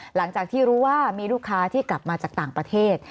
หลังจากที่รู้ว่ามีลูกค้าที่กลับมาจากต่างประเทศ